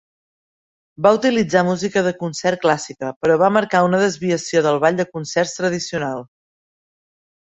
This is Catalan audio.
Va utilitzar música de concert clàssica, però va marcar una desviació del ball de concerts tradicional.